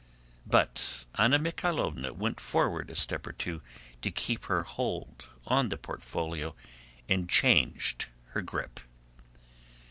But Anna Mikháylovna went forward a step or two to keep her hold on the portfolio, and changed her grip.